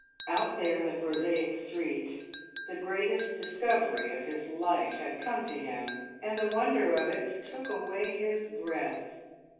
Out there in the prosaic street the greatest discovery of his life had come to him, and the wonder of it took away his breath.